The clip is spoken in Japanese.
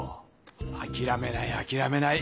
あきらめないあきらめない。